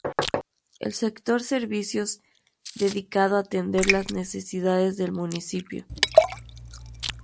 El sector servicios, dedicado atender la necesidades del municipio.